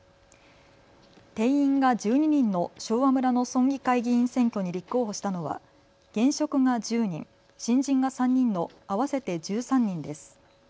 定員が１２人の昭和村の村議会議員選挙に立候補したのは現職が１０人、新人が３人の合わせて１３人です。